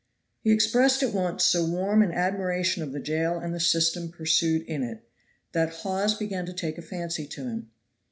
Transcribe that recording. He expressed at once so warm an admiration of the jail and the system pursued in it, that Hawes began to take a fancy to him.